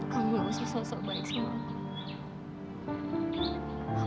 kamu gak usah sosok baik sama aku